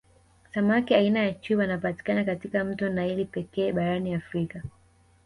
Samaki aina ya chui wanapatikana katika mto naili pekee barani Africa